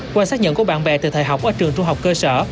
qua xác nhận của bạn bè từ thời học ở trường trung học cơ sở